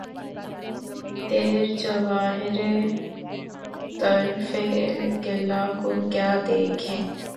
تیرے جواہرِ طُرفِ کلہ کو کیا دیکھیں!